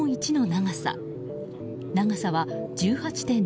長さは、１８．２ｋｍ。